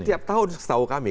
setiap tahun setahu kami